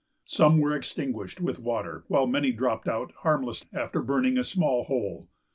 Some were extinguished with water, while many dropped out harmless after burning a small hole.